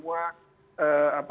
juga membantu pemerintah agar semua